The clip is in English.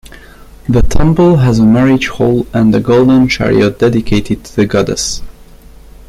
The temple has a marriage hall and a golden chariot dedicated to the goddess.